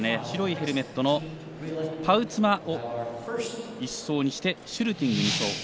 白いヘルメットのパウツマを１走にしてシュルティング２走。